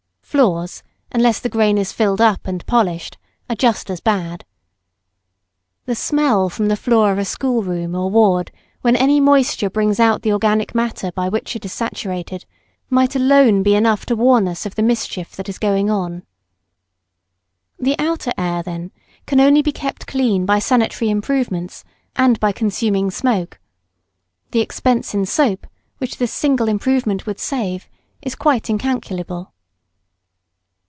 Floors, unless the grain is filled up and polished, are just as bad. The smell from the floor of a school room or ward, when any moisture brings out the organic matter by which it is saturated, might alone be enough to warn us of the mischief that is going on. [Sidenote: Remedies.] The outer air, then, can only be kept clean by sanitary improvements, and by consuming smoke. The expense in soap, which this single improvement would save, is quite incalculable.